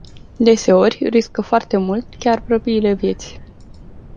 Deseori, riscă foarte mult, chiar propriile vieți.